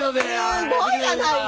すごいやないの！